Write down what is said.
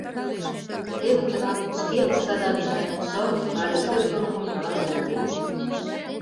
Теве тыгак шке оксада денат шылым але шӧр-торыкым налаш ок лий.